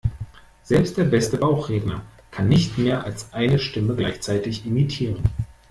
Selbst der beste Bauchredner kann nicht mehr als eine Stimme gleichzeitig imitieren.